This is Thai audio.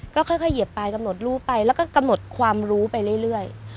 ก็ค่อยเหยียบไปกำหนดรูปไปแล้วก็กำหนดความรู้ไปเรื่อย